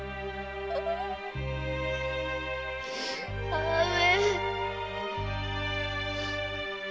母上！